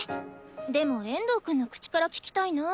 でも遠藤くんの口から聞きたいなぁ。